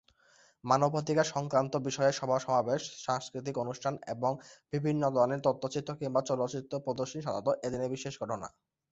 মানবাধিকার সংক্রান্ত বিষয়ে সভা-সমাবেশ, সাংস্কৃতিক অনুষ্ঠান এবং বিভিন্ন ধরনের তথ্যচিত্র কিংবা চলচ্চিত্র প্রদর্শনী প্রধানতঃ এ দিনের সাধারণ ঘটনা।